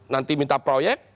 nanti minta proyek